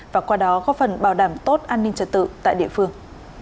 và qua đó góp phần bảo đảm tốt an ninh trật tự tại địa phương